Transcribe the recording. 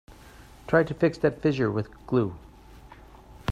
Try to fix that fissure with glue.